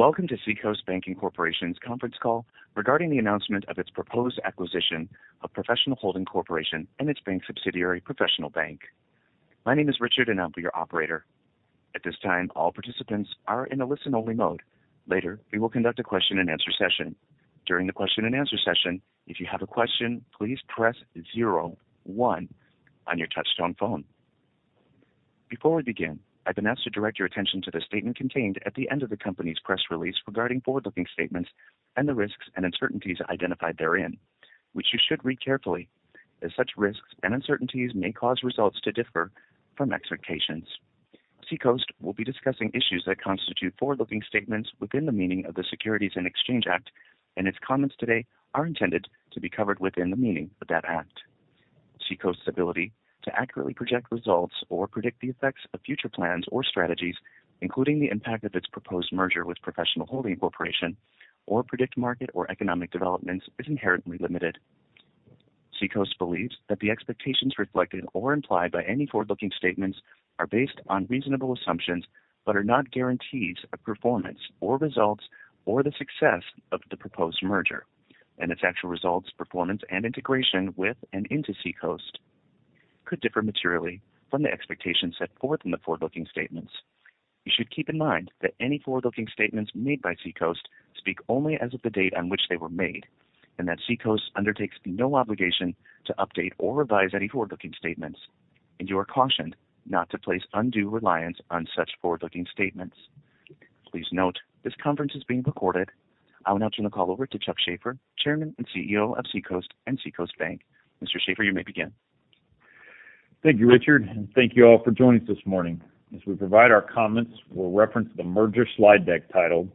Welcome to Seacoast Banking Corporation's conference call regarding the announcement of its proposed acquisition of Professional Holding Corporation and its bank subsidiary, Professional Bank. My name is Richard, and I'll be your operator. At this time, all participants are in a listen-only mode. Later, we will conduct a question-and-answer session. During the question-and-answer session, if you have a question, please press zero one on your touchtone phone. Before we begin, I've been asked to direct your attention to the statement contained at the end of the company's press release regarding forward-looking statements and the risks and uncertainties identified therein, which you should read carefully, as such risks and uncertainties may cause results to differ from expectations. Seacoast will be discussing issues that constitute forward-looking statements within the meaning of the Securities and Exchange Act, and its comments today are intended to be covered within the meaning of that act. Seacoast's ability to accurately project results or predict the effects of future plans or strategies, including the impact of its proposed merger with Professional Holding Corp. or predict market or economic developments, is inherently limited. Seacoast believes that the expectations reflected or implied by any forward-looking statements are based on reasonable assumptions, but are not guarantees of performance or results or the success of the proposed merger. Its actual results, performance, and integration with and into Seacoast could differ materially from the expectations set forth in the forward-looking statements. You should keep in mind that any forward-looking statements made by Seacoast speak only as of the date on which they were made, and that Seacoast undertakes no obligation to update or revise any forward-looking statements. You are cautioned not to place undue reliance on such forward-looking statements. Please note, this conference is being recorded. I will now turn the call over to Chuck Shaffer, Chairman and CEO of Seacoast and Seacoast Bank. Mr. Shaffer, you may begin. Thank you, Richard, and thank you all for joining us this morning. As we provide our comments, we'll reference the merger slide deck titled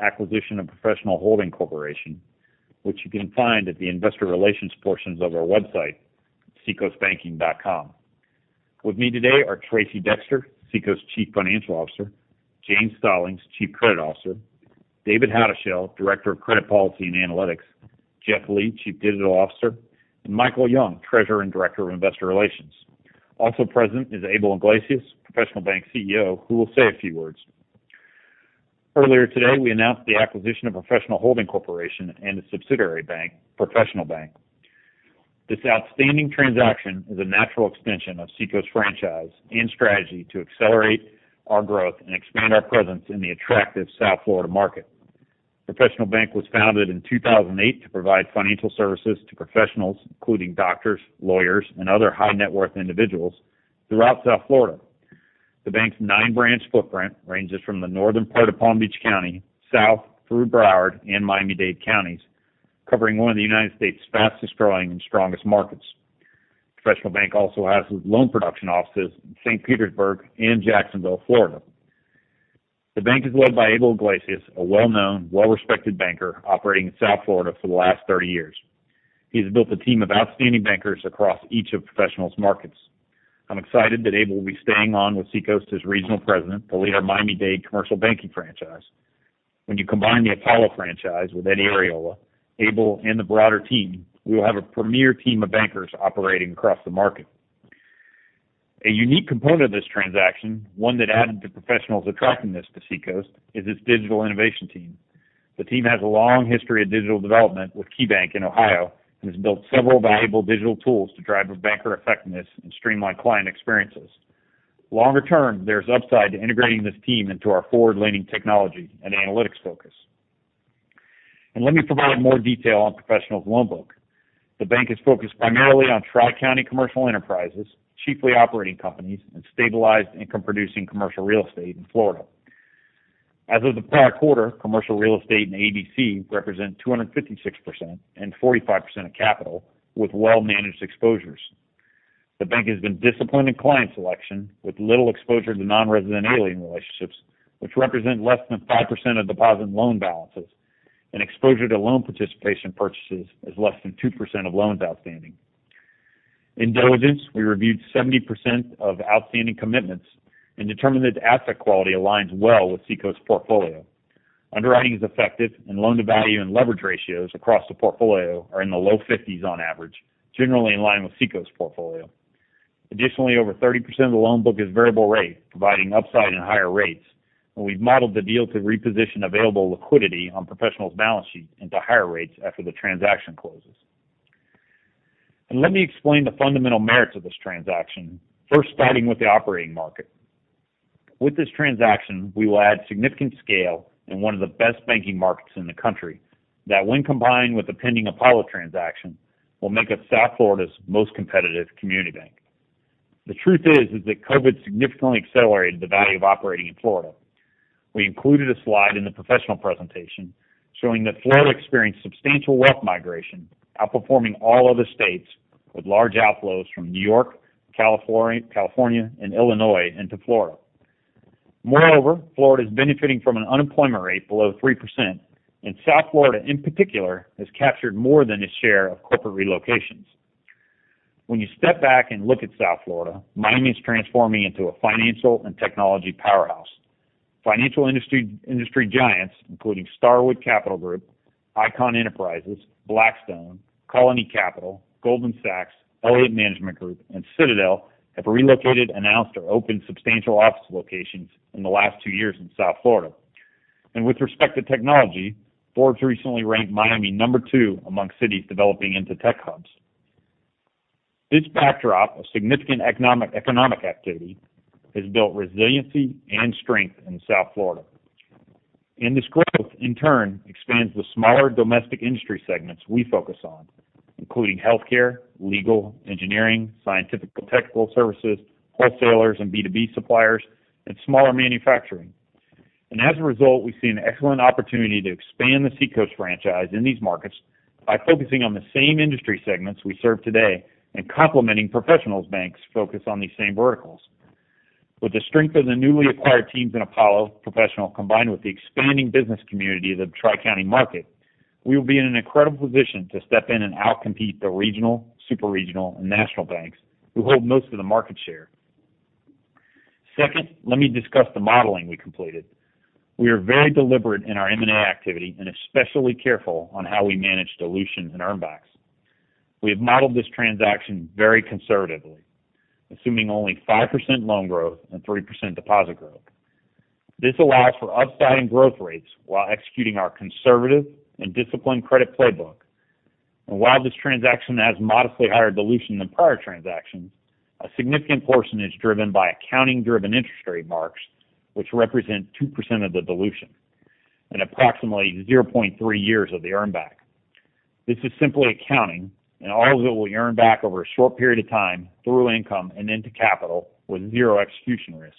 Acquisition of Professional Holding Corporation, which you can find at the investor relations portions of our website, seacoastbanking.com. With me today are Tracey Dexter, Seacoast Chief Financial Officer, James Stallings, Chief Credit Officer, David Houdeshell, Director of Credit Policy and Analytics, Jeff Lee, Chief Digital Officer, and Michael Young, Treasurer and Director of Investor Relations. Also present is Abel Iglesias, Professional Bank CEO, who will say a few words. Earlier today, we announced the acquisition of Professional Holding Corporation and a subsidiary bank, Professional Bank. This outstanding transaction is a natural extension of Seacoast franchise and strategy to accelerate our growth and expand our presence in the attractive South Florida market. Professional Bank was founded in 2008 to provide financial services to professionals, including doctors, lawyers, and other high-net-worth individuals throughout South Florida. The bank's 9-branch footprint ranges from the northern part of Palm Beach County, south through Broward and Miami-Dade counties, covering one of the United States' fastest-growing and strongest markets. Professional Bank also has loan production offices in St. Petersburg and Jacksonville, Florida. The bank is led by Abel Iglesias, a well-known, well-respected banker operating in South Florida for the last 30 years. He's built a team of outstanding bankers across each of Professional's markets. I'm excited that Abel will be staying on with Seacoast as regional president to lead our Miami-Dade commercial banking franchise. When you combine the Apollo franchise with Eddy Arriola, Abel, and the broader team, we will have a premier team of bankers operating across the market. A unique component of this transaction, one that added to Professional's attractiveness to Seacoast, is its digital innovation team. The team has a long history of digital development with KeyBank in Ohio and has built several valuable digital tools to drive banker effectiveness and streamline client experiences. Longer term, there's upside to integrating this team into our forward-leaning technology and analytics focus. Let me provide more detail on Professional's loan book. The bank is focused primarily on tri-county commercial enterprises, chiefly operating companies, and stabilized income-producing commercial real estate in Florida. As of the prior quarter, commercial real estate and ADC represent 256% and 45% of capital, with well-managed exposures. The bank has been disciplined in client selection, with little exposure to non-resident alien relationships, which represent less than 5% of deposit and loan balances, and exposure to loan participation purchases is less than 2% of loans outstanding. In diligence, we reviewed 70% of outstanding commitments and determined that the asset quality aligns well with Seacoast portfolio. Underwriting is effective and loan-to-value and leverage ratios across the portfolio are in the low 50s on average, generally in line with Seacoast portfolio. Additionally, over 30% of the loan book is variable rate, providing upside in higher rates, and we've modeled the deal to reposition available liquidity on Professional's balance sheet into higher rates after the transaction closes. Let me explain the fundamental merits of this transaction, first starting with the operating market. With this transaction, we will add significant scale in one of the best banking markets in the country that, when combined with the pending Apollo transaction, will make us South Florida's most competitive community bank. The truth is that COVID significantly accelerated the value of operating in Florida. We included a slide in the Professional presentation showing that Florida experienced substantial wealth migration, outperforming all other states with large outflows from New York, California, and Illinois into Florida. Moreover, Florida is benefiting from an unemployment rate below 3%, and South Florida in particular has captured more than its share of corporate relocations. When you step back and look at South Florida, Miami is transforming into a financial and technology powerhouse. Financial industry industry giants, including Starwood Capital Group, Icahn Enterprises, Blackstone, Colony Capital, Goldman Sachs, Elliott Investment Management, and Citadel have relocated, announced, or opened substantial office locations in the last 2 years in South Florida. With respect to technology, Forbes recently ranked Miami number 2 among cities developing into tech hubs. This backdrop of significant economic activity has built resiliency and strength in South Florida. This growth, in turn, expands the smaller domestic industry segments we focus on, including healthcare, legal, engineering, scientific technical services, wholesalers and B2B suppliers, and smaller manufacturing. As a result, we see an excellent opportunity to expand the Seacoast franchise in these markets by focusing on the same industry segments we serve today and complementing Professional Bank's focus on these same verticals. With the strength of the newly acquired teams in Apollo and Professional, combined with the expanding business community of the Tri-County market, we will be in an incredible position to step in and outcompete the regional, super-regional, and national banks who hold most of the market share. Second, let me discuss the modeling we completed. We are very deliberate in our M&A activity and especially careful on how we manage dilution and earnbacks. We have modeled this transaction very conservatively, assuming only 5% loan growth and 3% deposit growth. This allows for upside in growth rates while executing our conservative and disciplined credit playbook. While this transaction has modestly higher dilution than prior transactions, a significant portion is driven by accounting-driven interest rate marks, which represent 2% of the dilution and approximately 0.3 years of the earnback. This is simply accounting, and all of it will earn back over a short period of time through income and into capital with zero execution risk.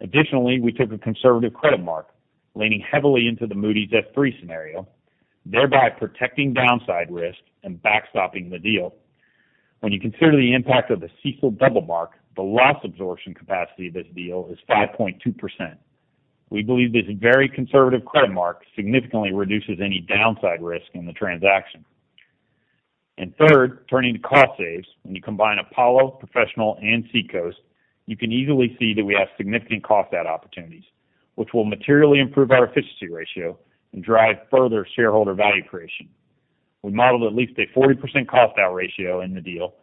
Additionally, we took a conservative credit mark, leaning heavily into the Moody's S3 scenario, thereby protecting downside risk and backstopping the deal. When you consider the impact of the CECL double mark, the loss absorption capacity of this deal is 5.2%. We believe this very conservative credit mark significantly reduces any downside risk in the transaction. Third, turning to cost savings. When you combine Apollo's Professional and Seacoast, you can easily see that we have significant cost out opportunities, which will materially improve our efficiency ratio and drive further shareholder value creation. We modeled at least a 40% cost out ratio in the deal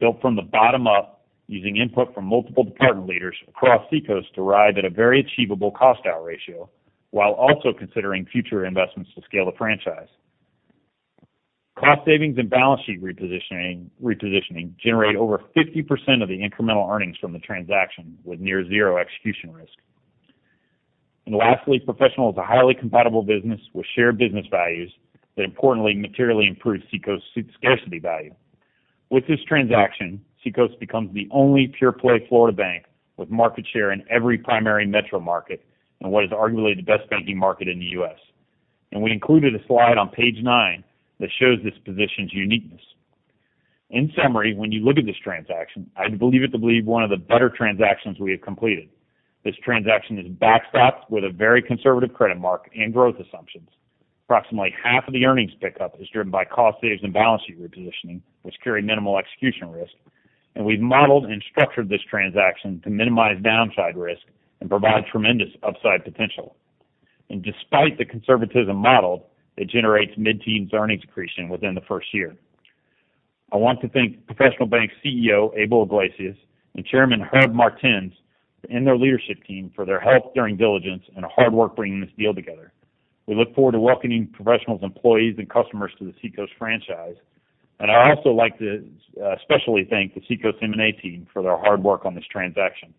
built from the bottom up using input from multiple department leaders across Seacoast to arrive at a very achievable cost out ratio while also considering future investments to scale the franchise. Cost savings and balance sheet repositioning generate over 50% of the incremental earnings from the transaction with near zero execution risk. Lastly, Professional is a highly compatible business with shared business values that importantly materially improve Seacoast's scarcity value. With this transaction, Seacoast becomes the only pure play Florida bank with market share in every primary metro market and what is arguably the best banking market in the U.S. We included a slide on page 9 that shows this position's uniqueness. In summary, when you look at this transaction, I believe it to be one of the better transactions we have completed. This transaction is backstopped with a very conservative credit mark and growth assumptions. Approximately half of the earnings pickup is driven by cost saves and balance sheet repositioning, which carry minimal execution risk. We've modeled and structured this transaction to minimize downside risk and provide tremendous upside potential. Despite the conservatism model, it generates mid-teens earnings accretion within the first year. I want to thank Professional Bank's CEO, Abel Iglesias, and Chairman Herb Martin and their leadership team for their help during diligence and hard work bringing this deal together. We look forward to welcoming Professional's employees and customers to the Seacoast franchise. I'd also like to especially thank the Seacoast M&A team for their hard work on this transaction.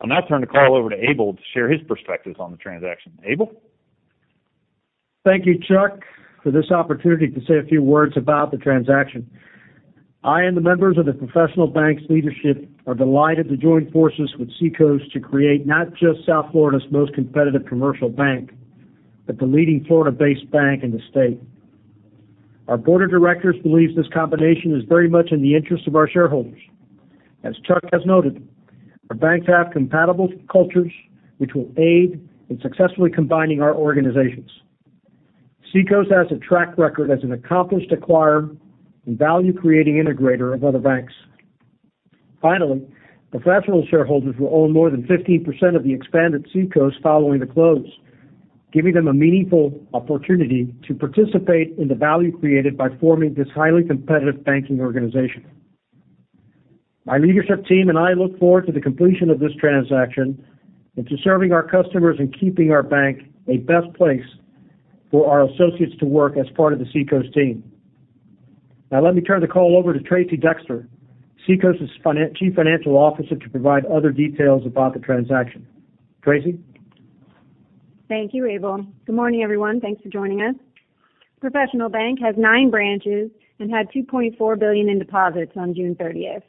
I'll now turn the call over to Abel to share his perspectives on the transaction. Abel? Thank you, Chuck, for this opportunity to say a few words about the transaction. I and the members of the Professional Bank's leadership are delighted to join forces with Seacoast to create not just South Florida's most competitive commercial bank, but the leading Florida-based bank in the state. Our board of directors believes this combination is very much in the interest of our shareholders. As Chuck has noted, our banks have compatible cultures which will aid in successfully combining our organizations. Seacoast has a track record as an accomplished acquirer and value-creating integrator of other banks. Finally, Professional shareholders will own more than 15% of the expanded Seacoast following the close, giving them a meaningful opportunity to participate in the value created by forming this highly competitive banking organization. My leadership team and I look forward to the completion of this transaction and to serving our customers and keeping our bank a best place for our associates to work as part of the Seacoast team. Now, let me turn the call over to Tracey Dexter, Seacoast's Chief Financial Officer, to provide other details about the transaction. Tracey? Thank you, Abel. Good morning, everyone. Thanks for joining us. Professional Bank has nine branches and had $2.4 billion in deposits on June thirtieth.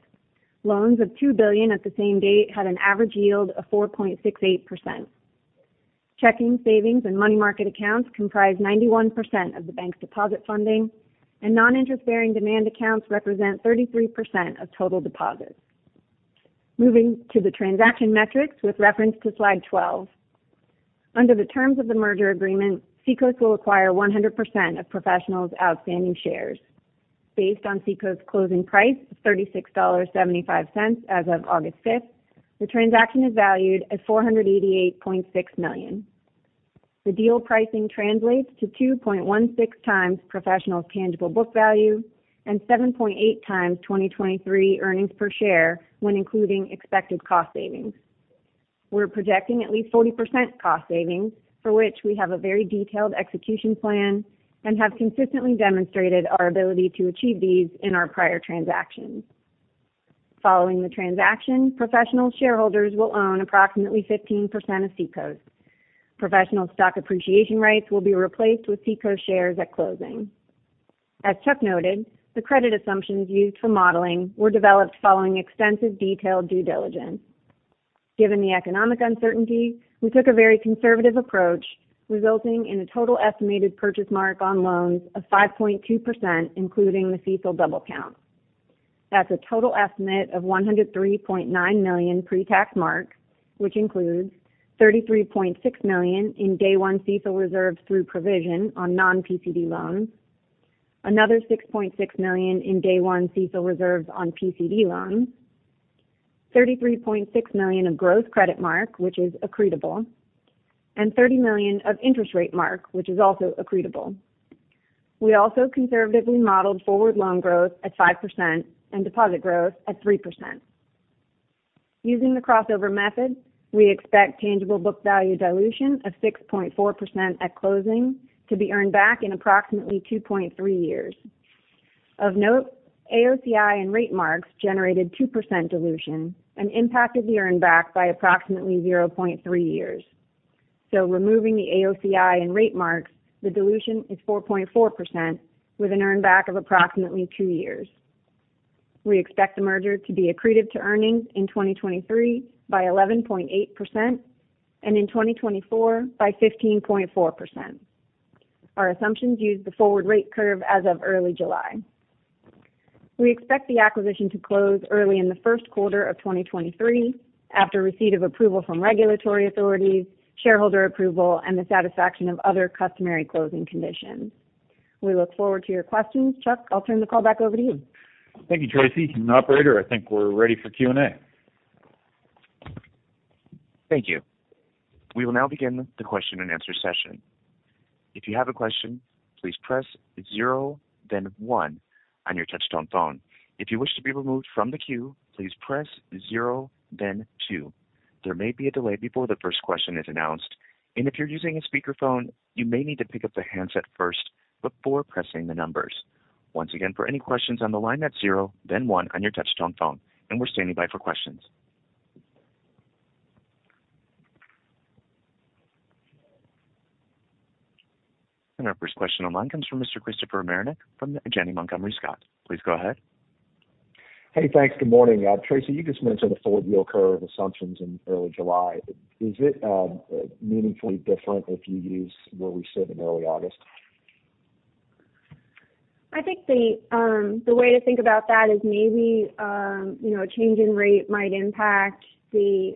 Loans of $2 billion at the same date had an average yield of 4.68%. Checking, savings, and money market accounts comprise 91% of the bank's deposit funding, and non-interest-bearing demand accounts represent 33% of total deposits. Moving to the transaction metrics with reference to slide 12. Under the terms of the merger agreement, Seacoast will acquire 100% of Professional's outstanding shares. Based on Seacoast's closing price of $36.75 as of August 5, the transaction is valued at $488.6 million. The deal pricing translates to 2.16x Professional's tangible book value and 7.8x 2023 earnings per share when including expected cost savings. We're projecting at least 40% cost savings, for which we have a very detailed execution plan and have consistently demonstrated our ability to achieve these in our prior transactions. Following the transaction, Professional shareholders will own approximately 15% of Seacoast. Professional stock appreciation rates will be replaced with Seacoast shares at closing. As Chuck noted, the credit assumptions used for modeling were developed following extensive detailed due diligence. Given the economic uncertainty, we took a very conservative approach, resulting in a total estimated purchase mark on loans of 5.2%, including the CECL double count. That's a total estimate of $103.9 million pre-tax mark, which includes $33.6 million in day one CECL reserves through provision on non-PCD loans, another $6.6 million in day one CECL reserves on PCD loans, $33.6 million of gross credit mark, which is accretable, and $30 million of interest rate mark, which is also accretable. We also conservatively modeled forward loan growth at 5% and deposit growth at 3%. Using the crossover method, we expect tangible book value dilution of 6.4% at closing to be earned back in approximately 2.3 years. Of note, AOCI and rate marks generated 2% dilution and impacted the earn back by approximately 0.3 years. Removing the AOCI and rate marks, the dilution is 4.4% with an earn back of approximately 2 years. We expect the merger to be accretive to earnings in 2023 by 11.8% and in 2024 by 15.4%. Our assumptions use the forward rate curve as of early July. We expect the acquisition to close early in the first quarter of 2023 after receipt of approval from regulatory authorities, shareholder approval, and the satisfaction of other customary closing conditions. We look forward to your questions. Chuck, I'll turn the call back over to you. Thank you, Tracey. Operator, I think we're ready for Q&A. Thank you. We will now begin the question-and-answer session. If you have a question, please press zero then one on your touch-tone phone. If you wish to be removed from the queue, please press zero then two. There may be a delay before the first question is announced, and if you're using a speakerphone, you may need to pick up the handset first before pressing the numbers. Once again, for any questions on the line, that's zero then one on your touch-tone phone. We're standing by for questions. Our first question on the line comes from Mr. Christopher Marinac from Janney Montgomery Scott. Please go ahead. Hey, thanks. Good morning. Tracey, you just mentioned the forward yield curve assumptions in early July. Is it meaningfully different if you use where we sit in early August? I think the way to think about that is maybe, you know, a change in rate might impact the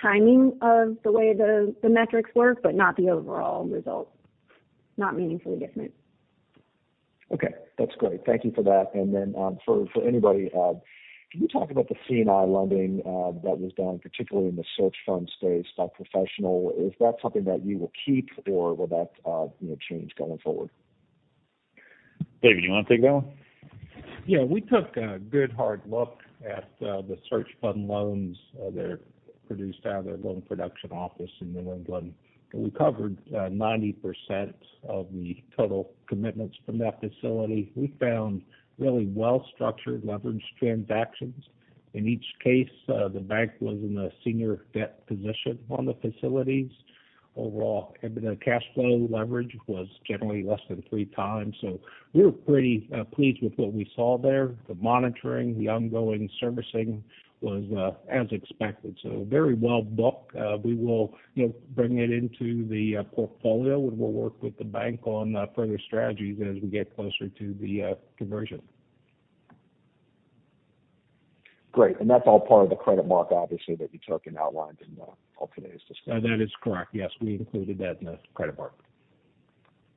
timing of the way the metrics work, but not the overall result. Not meaningfully different. Okay, that's great. Thank you for that. For anybody, can you talk about the C&I lending that was done, particularly in the search fund space by Professional? Is that something that you will keep or will that, you know, change going forward? David, do you wanna take that one? Yeah. We took a good hard look at the search fund loans that are produced out of their loan production office in New England. We covered 90% of the total commitments from that facility. We found really well-structured leverage transactions. In each case, the bank was in a senior debt position on the facilities overall. The cash flow leverage was generally less than 3x. We were pretty pleased with what we saw there. The monitoring, the ongoing servicing was as expected, so very well booked. We will, you know, bring it into the portfolio, and we'll work with the bank on further strategies as we get closer to the conversion. Great. That's all part of the credit mark obviously that you took and outlined in on today's discussion. That is correct. Yes, we included that in the credit mark.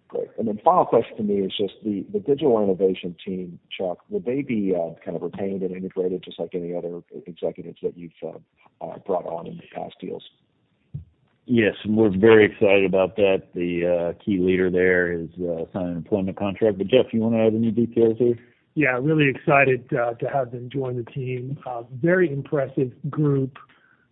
Great. Final question for me is just the digital innovation team, Chuck, will they be kind of retained and integrated just like any other executives that you've brought on in the past deals? Yes, we're very excited about that. The key leader there has signed an employment contract. Jeff, you wanna add any details there? Yeah, really excited to have them join the team. Very impressive group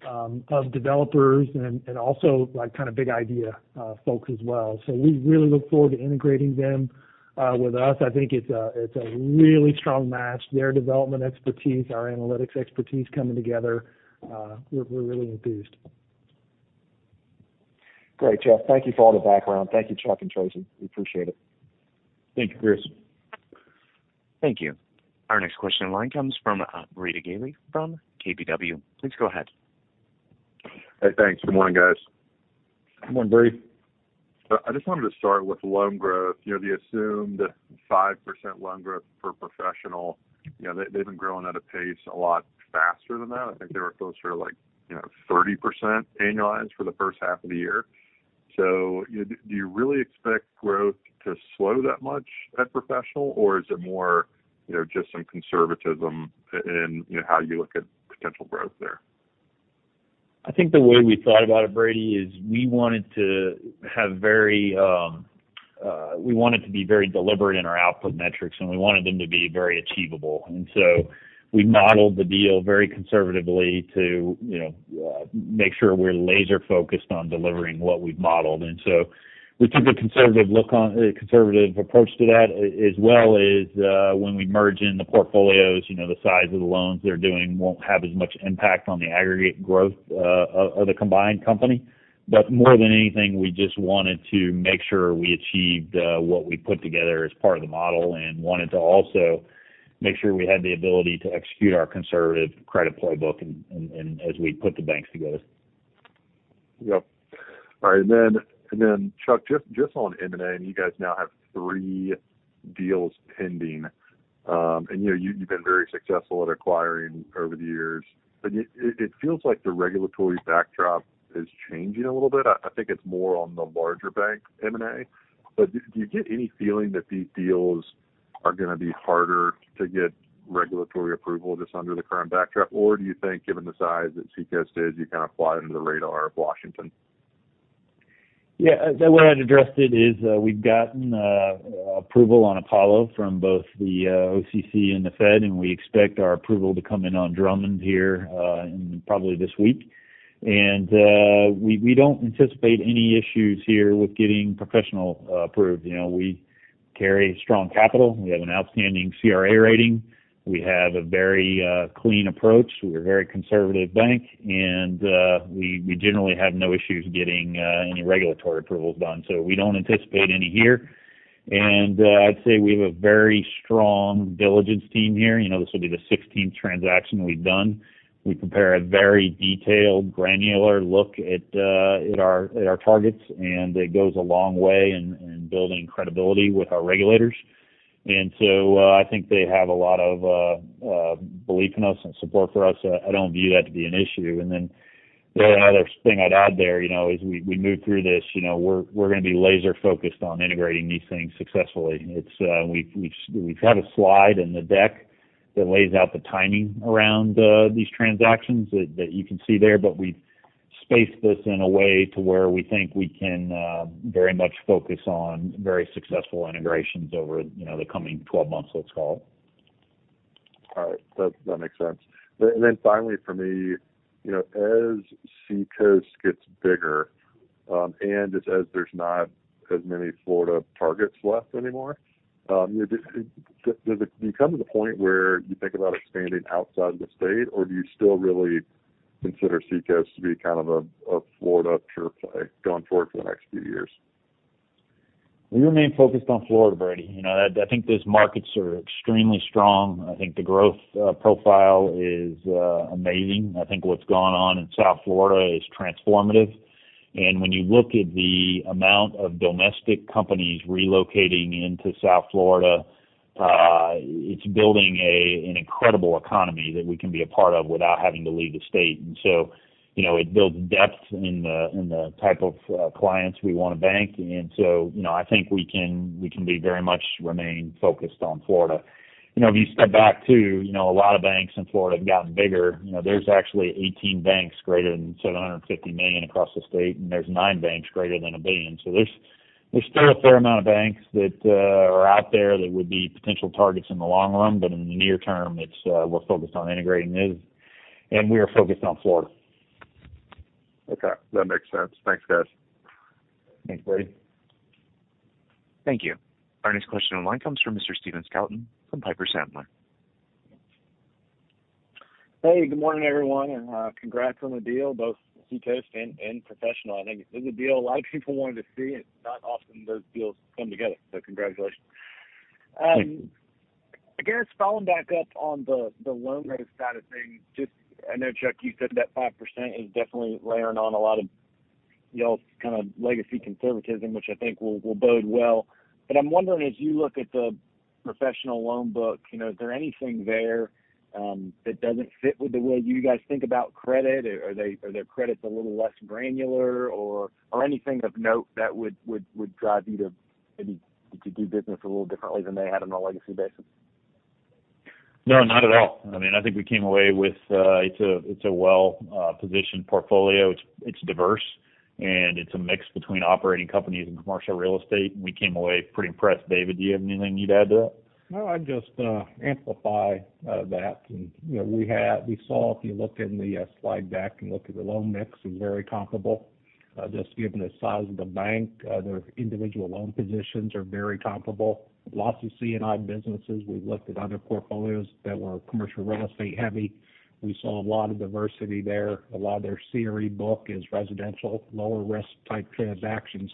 of developers and also like kind of big idea folks as well. We really look forward to integrating them with us. I think it's a really strong match. Their development expertise, our analytics expertise coming together, we're really enthused. Great, Jeff. Thank you for all the background. Thank you, Chuck and Tracy. We appreciate it. Thank you, Chris. Thank you. Our next question in line comes from, Brady Gailey from KBW. Please go ahead. Hey, thanks. Good morning, guys. Good morning, Brady. I just wanted to start with loan growth. You know, the assumed 5% loan growth for Professional, you know, they've been growing at a pace a lot faster than that. I think they were closer to like, you know, 30% annualized for the first half of the year. You know, do you really expect growth to slow that much at Professional, or is it more, you know, just some conservatism in, you know, how you look at potential growth there? I think the way we thought about it, Brady, is we wanted to have very, we wanted to be very deliberate in our output metrics, and we wanted them to be very achievable. We modeled the deal very conservatively to, you know, make sure we're laser focused on delivering what we've modeled. We took a conservative look on a conservative approach to that. As well as, when we merge in the portfolios, you know, the size of the loans they're doing won't have as much impact on the aggregate growth, of the combined company. More than anything, we just wanted to make sure we achieved what we put together as part of the model and wanted to also make sure we had the ability to execute our conservative credit playbook and, as we put the banks together. Yep. All right. Then Chuck, just on M&A, you guys now have 3 deals pending. And you know, you've been very successful at acquiring over the years. But it feels like the regulatory backdrop is changing a little bit. I think it's more on the larger bank M&A. But do you get any feeling that these deals are gonna be harder to get regulatory approval just under the current backdrop? Or do you think given the size that Seacoast is, you kind of fly under the radar of Washington? Yeah. The way I'd addressed it is, we've gotten approval on Apollo from both the OCC and the Fed, and we expect our approval to come in on Drummond here in probably this week. We don't anticipate any issues here with getting Professional approved. You know, we carry strong capital. We have an outstanding CRA rating. We have a very clean approach. We're a very conservative bank, and we generally have no issues getting any regulatory approvals done, so we don't anticipate any here. I'd say we have a very strong diligence team here. You know, this will be the sixteenth transaction we've done. We prepare a very detailed, granular look at our targets, and it goes a long way in building credibility with our regulators. I think they have a lot of belief in us and support for us. I don't view that to be an issue. The only other thing I'd add there, you know, as we move through this, you know, we're gonna be laser focused on integrating these things successfully. We've had a slide in the deck that lays out the timing around these transactions that you can see there, but we've spaced this in a way to where we think we can very much focus on very successful integrations over, you know, the coming 12 months, let's call it. All right. That makes sense. Finally for me, you know, as Seacoast gets bigger, and just as there's not as many Florida targets left anymore, do you come to the point where you think about expanding outside the state, or do you still really consider Seacoast to be kind of a Florida pure play going forward for the next few years? We remain focused on Florida, Brady. You know, I think those markets are extremely strong. I think the growth profile is amazing. I think what's gone on in South Florida is transformative. When you look at the amount of domestic companies relocating into South Florida, it's building an incredible economy that we can be a part of without having to leave the state. You know, it builds depth in the type of clients we wanna bank. You know, I think we can very much remain focused on Florida. You know, if you step back too, you know, a lot of banks in Florida have gotten bigger. You know, there's actually 18 banks greater than $750 million across the state, and there's 9 banks greater than $1 billion. There's still a fair amount of banks that are out there that would be potential targets in the long run, but in the near term, it's we're focused on integrating these, and we are focused on Florida. Okay. That makes sense. Thanks, guys. Thanks, Brady. Thank you. Our next question online comes from Mr. Stephen Scouten from Piper Sandler. Hey, good morning, everyone, and congrats on the deal, both Seacoast and Professional. I think this is a deal a lot of people wanted to see, and it's not often those deals come together. Congratulations. I guess following back up on the loan growth side of things. Just, I know, Chuck, you said that 5% is definitely layering on a lot of y'all's kind of legacy conservatism, which I think will bode well. But I'm wondering, as you look at the Professional loan book, you know, is there anything there that doesn't fit with the way you guys think about credit? Are there credits a little less granular or anything of note that would drive you to maybe to do business a little differently than they had on a legacy basis? No, not at all. I mean, I think we came away with it's a well-positioned portfolio. It's diverse, and it's a mix between operating companies and commercial real estate. We came away pretty impressed. David, do you have anything you'd add to that? No, I'd just amplify that. You know, we saw if you look in the slide deck and look at the loan mix, it was very comparable. Just given the size of the bank, their individual loan positions are very comparable. Lots of C&I businesses. We've looked at other portfolios that were commercial real estate heavy. We saw a lot of diversity there. A lot of their CRE book is residential, lower risk type transactions.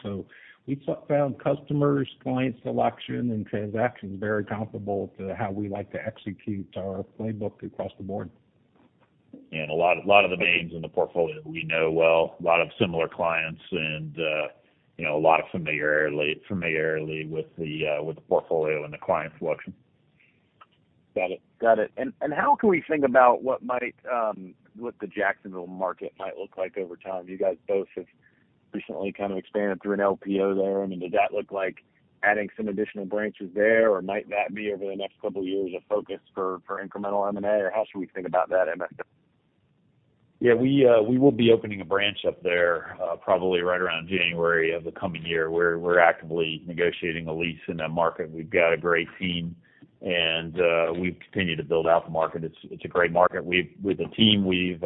We found customers, client selection, and transactions very comparable to how we like to execute our playbook across the board. A lot of the names in the portfolio we know well, a lot of similar clients and, you know, a lot of familiarity with the portfolio and the client selection. Got it. How can we think about what the Jacksonville market might look like over time? You guys both have recently kind of expanded through an LPO there. I mean, does that look like adding some additional branches there, or might that be over the next couple of years, a focus for incremental M&A, or how should we think about that, MS? Yeah, we will be opening a branch up there, probably right around January of the coming year. We're actively negotiating a lease in that market. We've got a great team and we've continued to build out the market. It's a great market. With the team we've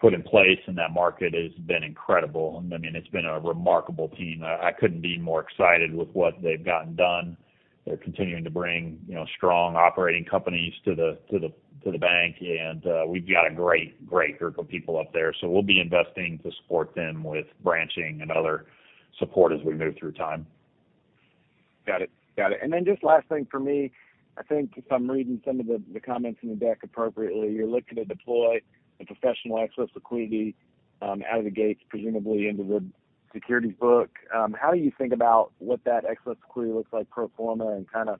put in place in that market has been incredible. I mean, it's been a remarkable team. I couldn't be more excited with what they've gotten done. They're continuing to bring, you know, strong operating companies to the bank. And we've got a great group of people up there. So we'll be investing to support them with branching and other support as we move through time. Got it. Just last thing for me. I think if I'm reading some of the comments in the deck appropriately, you're looking to deploy Professional's excess liquidity out of the gates, presumably into the securities book. How do you think about what that excess liquidity looks like pro forma and kind of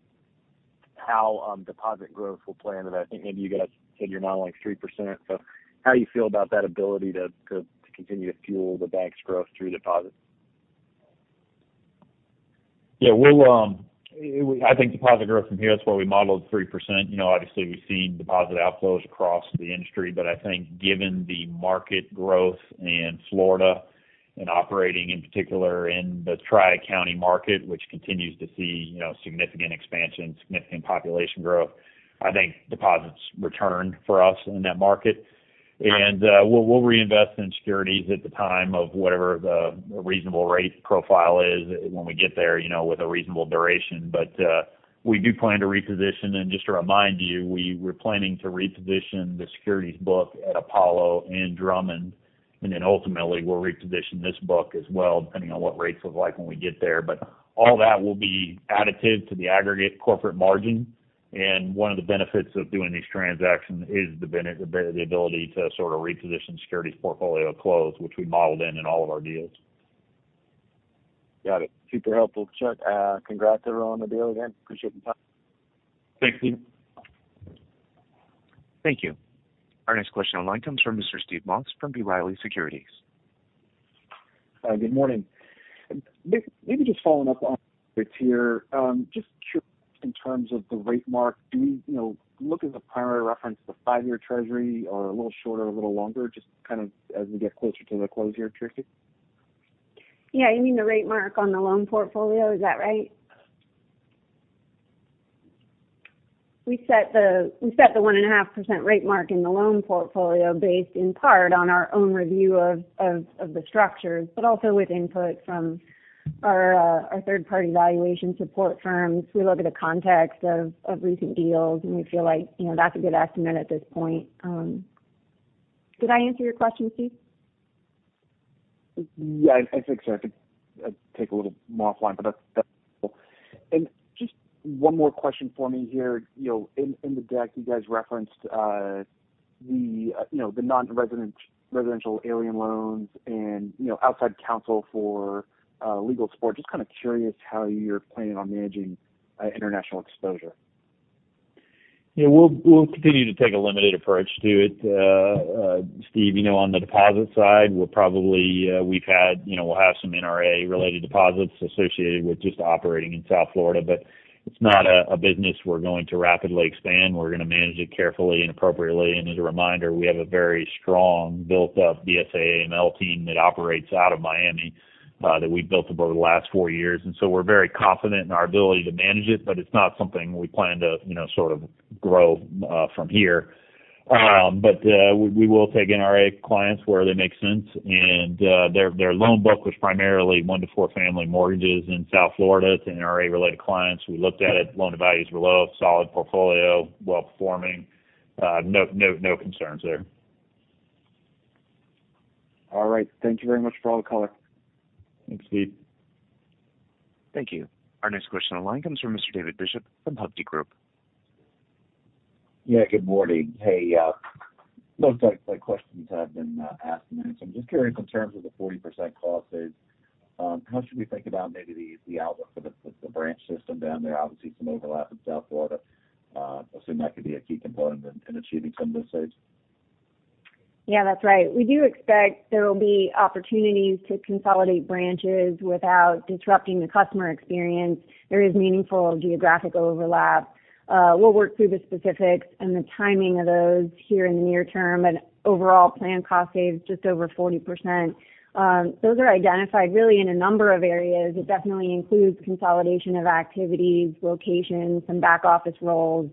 how deposit growth will play into that? I think maybe you guys said you're modeling 3%. How you feel about that ability to continue to fuel the bank's growth through deposits? Yeah. I think deposit growth from here. That's why we modeled 3%. You know, obviously, we've seen deposit outflows across the industry. I think given the market growth in Florida and operating, in particular in the Tri-County market, which continues to see, you know, significant expansion, significant population growth, I think deposits return for us in that market. We'll reinvest in securities at the time of whatever the reasonable rate profile is when we get there, you know, with a reasonable duration. We do plan to reposition. Just to remind you, we were planning to reposition the securities book at Apollo and Drummond, and then ultimately we'll reposition this book as well, depending on what rates look like when we get there. All that will be additive to the aggregate corporate margin. One of the benefits of doing these transactions is the ability to sort of reposition securities portfolio closer, which we modeled in all of our deals. Got it. Super helpful, Chuck. Congrats everyone on the deal again. Appreciate the time. Thanks, Stephen. Thank you. Our next question online comes from Mr. Steve Moss from B. Riley Securities. Good morning. Maybe just following up on here. Just curious in terms of the rate mark, do we, you know, look as a primary reference, the five-year Treasury or a little shorter, a little longer, just kind of as we get closer to the close here, Tracey? Yeah. You mean the rate mark on the loan portfolio, is that right? We set the 1.5% rate mark in the loan portfolio based in part on our own review of the structures, but also with input from our third-party valuation support firms. We look at the context of recent deals, and we feel like, you know, that's a good estimate at this point. Did I answer your question, Steve? Yeah, I think so. I could take a little more offline, but that's helpful. Just one more question for me here. You know, in the deck, you guys referenced the non-resident residential alien loans and outside counsel for legal support. Just kind of curious how you're planning on managing international exposure. Yeah. We'll continue to take a limited approach to it. Steve, you know, on the deposit side, we'll probably we've had, you know, we'll have some NRA related deposits associated with just operating in South Florida, but it's not a business we're going to rapidly expand. We're going to manage it carefully and appropriately. As a reminder, we have a very strong built-up BSA/AML team that operates out of Miami that we've built up over the last four years. We're very confident in our ability to manage it, but it's not something we plan to, you know, sort of grow from here. But we will take NRA clients where they make sense. Their loan book was primarily one to four family mortgages in South Florida to NRA related clients. We looked at it, loan to values were low, solid portfolio, well performing. No concerns there. All right. Thank you very much for all the color. Thanks, Steve. Thank you. Our next question on the line comes from Mr. David Bishop from Hovde Group. Yeah, good morning. Hey, most of my questions have been asked and answered. I'm just curious in terms of the 40% cost saves, how should we think about maybe the outlook for the branch system down there? Obviously, some overlap in South Florida. Assume that could be a key component in achieving some of the saves. Yeah, that's right. We do expect there will be opportunities to consolidate branches without disrupting the customer experience. There is meaningful geographic overlap. We'll work through the specifics and the timing of those here in the near term, and overall planned cost savings just over 40%. Those are identified really in a number of areas. It definitely includes consolidation of activities, locations, some back office roles,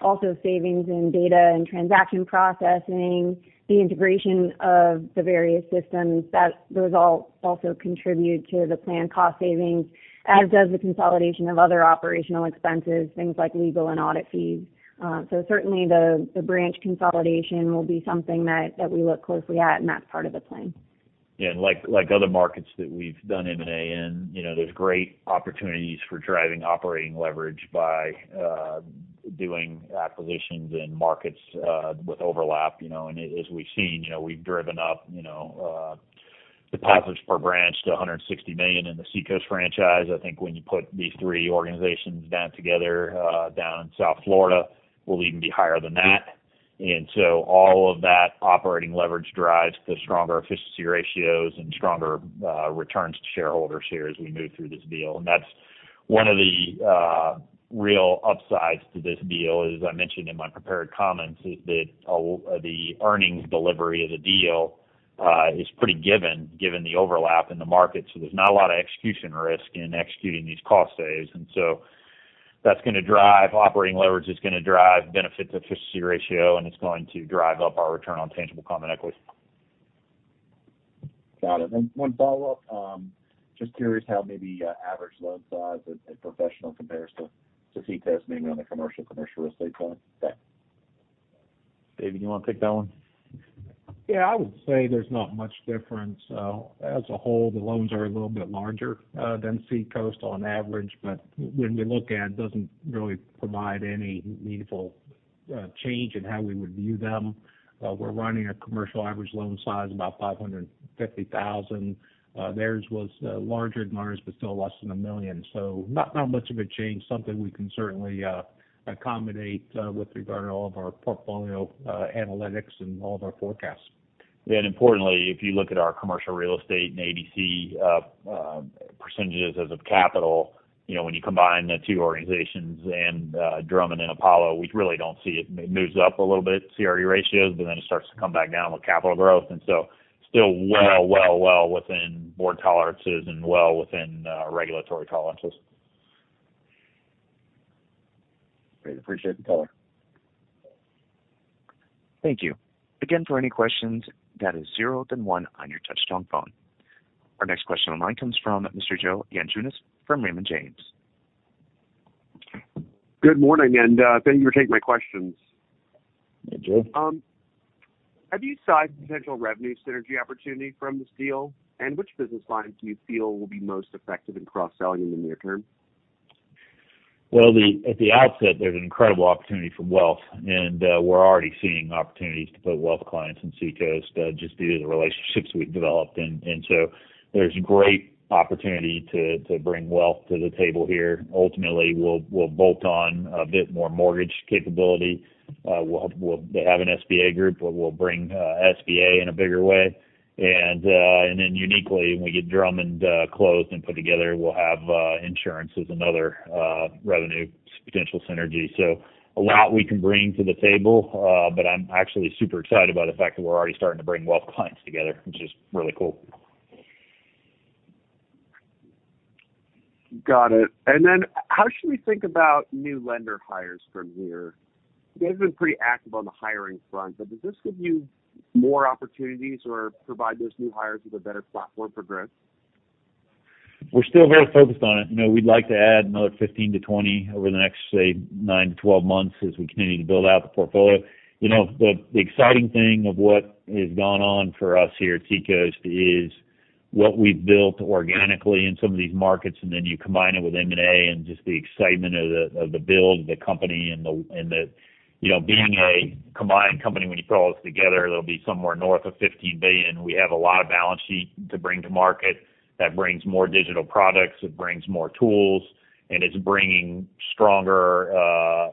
also savings in data and transaction processing, the integration of the various systems that those all also contribute to the planned cost savings, as does the consolidation of other operational expenses, things like legal and audit fees. Certainly the branch consolidation will be something that we look closely at, and that's part of the plan. Yeah. Like other markets that we've done M&A in, you know, there's great opportunities for driving operating leverage by doing acquisitions in markets with overlap, you know. As we've seen, you know, we've driven up, you know, the partners per branch to 160 million in the Seacoast franchise. I think when you put these three organizations down together down in South Florida, will even be higher than that. All of that operating leverage drives the stronger efficiency ratios and stronger returns to shareholders here as we move through this deal. That's one of the real upsides to this deal, as I mentioned in my prepared comments, is that the earnings delivery of the deal is pretty given the overlap in the market. There's not a lot of execution risk in executing these cost saves. That's gonna drive operating leverage, it's gonna drive benefit to efficiency ratio, and it's going to drive up our return on tangible common equity. Got it. One follow-up. Just curious how maybe average loan size at Professional compares to Seacoast, maybe on the commercial real estate side? David, you wanna take that one? Yeah. I would say there's not much difference. As a whole, the loans are a little bit larger than Seacoast on average, but when we look at it doesn't really provide any meaningful change in how we would view them. We're running a commercial average loan size, about $550,000. Theirs was larger than ours, but still less than $1 million. Not much of a change. Something we can certainly accommodate with regard to all of our portfolio analytics and all of our forecasts. Importantly, if you look at our commercial real estate and ADC percentages of capital, you know, when you combine the two organizations and Drummond and Apollo, we really don't see it. It moves up a little bit, CRE ratios, but then it starts to come back down with capital growth. Still well within board tolerances and well within regulatory tolerances. Great. Appreciate the color. Thank you. Again, for any questions, that's zero, then one on your touch-tone phone. Our next question online comes from Mr. David Feaster from Raymond James. Good morning, and thank you for taking my questions. Hey, David. Have you sized potential revenue synergy opportunity from this deal? Which business lines do you feel will be most effective in cross-selling in the near term? Well, at the outset, there's an incredible opportunity for wealth, and we're already seeing opportunities to put wealth clients in Seacoast, just due to the relationships we've developed. So there's great opportunity to bring wealth to the table here. Ultimately, we'll bolt on a bit more mortgage capability. They have an SBA group where we'll bring SBA in a bigger way. Then uniquely, when we get Drummond closed and put together, we'll have insurance as another revenue potential synergy. A lot we can bring to the table. I'm actually super excited about the fact that we're already starting to bring wealth clients together, which is really cool. Got it. How should we think about new lender hires from here? You guys have been pretty active on the hiring front, but does this give you more opportunities or provide those new hires with a better platform for growth? We're still very focused on it. You know, we'd like to add another 15-20 over the next, say, 9-12 months as we continue to build out the portfolio. You know, the exciting thing of what has gone on for us here at Seacoast is what we've built organically in some of these markets, and then you combine it with M&A and just the excitement of the build of the company and the. You know, being a combined company, when you put all this together, it'll be somewhere north of $15 billion. We have a lot of balance sheet to bring to market that brings more digital products, it brings more tools, and it's bringing stronger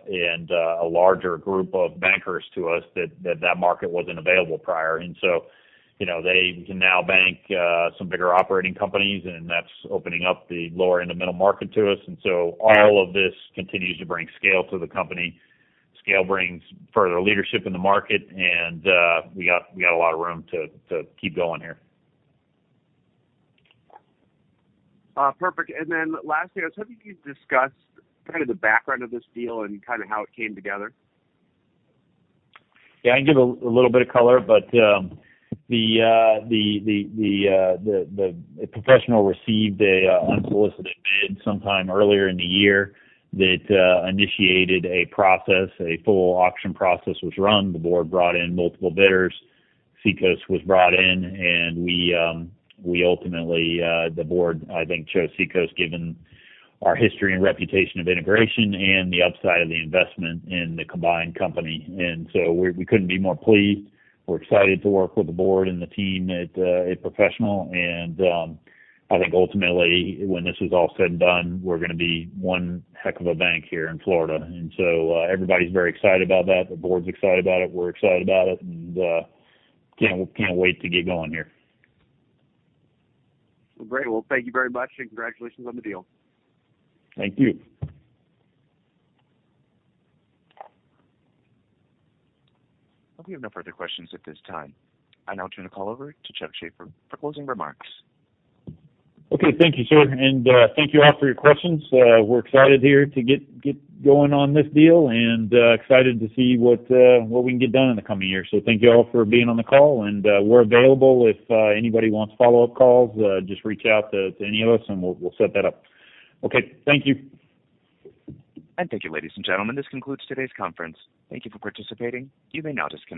and a larger group of bankers to us that market wasn't available prior. You know, they can now bank some bigger operating companies, and that's opening up the lower-end and middle market to us. All of this continues to bring scale to the company. Scale brings further leadership in the market, and we got a lot of room to keep going here. Perfect. Lastly, I was hoping you could discuss kind of the background of this deal and kind of how it came together. Yeah, I can give a little bit of color, but the Professional received an unsolicited bid sometime earlier in the year that initiated a process. A full auction process was run. The board brought in multiple bidders. Seacoast was brought in and we ultimately the board, I think, chose Seacoast, given our history and reputation of integration and the upside of the investment in the combined company. We couldn't be more pleased. We're excited to work with the board and the team at Professional. I think ultimately, when this is all said and done, we're gonna be one heck of a bank here in Florida. Everybody's very excited about that. The board's excited about it, we're excited about it, and can't wait to get going here. Great. Well, thank you very much, and congratulations on the deal. Thank you. We have no further questions at this time. I now turn the call over to Chuck Shaffer for closing remarks. Okay. Thank you, sir. Thank you all for your questions. We're excited here to get going on this deal and excited to see what we can get done in the coming years. Thank you all for being on the call, and we're available if anybody wants follow-up calls, just reach out to any of us and we'll set that up. Okay. Thank you. Thank you, ladies and gentlemen. This concludes today's conference. Thank you for participating. You may now disconnect.